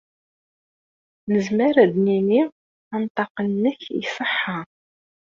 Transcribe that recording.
Nezmer ad d-nini anṭaq-nnek iṣeḥḥa.